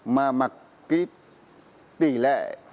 mà mặc cái tỷ lệ